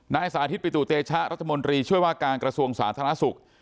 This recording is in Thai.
สาธิตปิตุเตชะรัฐมนตรีช่วยว่าการกระทรวงสาธารณสุข